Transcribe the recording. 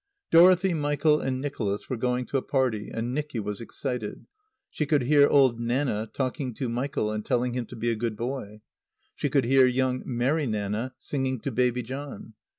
Dorothy, Michael and Nicholas were going to a party, and Nicky was excited. She could hear Old Nanna talking to Michael and telling him to be a good boy. She could hear young Mary Nanna singing to Baby John.